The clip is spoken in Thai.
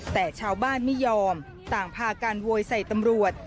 แต่ชาวบ้านไม่ยอมต่างพาการโวยใส่ตำรวจ